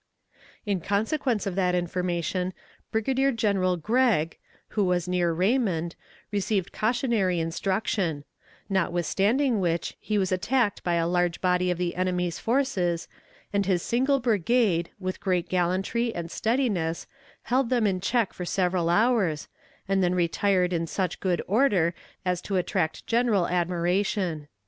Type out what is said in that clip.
In consequence of that information, Brigadier General Gregg, who was near Raymond, received cautionary instruction; notwithstanding which, he was attacked by a large body of the enemy's forces, and his single brigade, with great gallantry and steadiness, held them in check for several hours, and then retired in such good order as to attract general admiration.